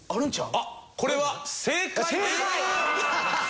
あっこれは正解です。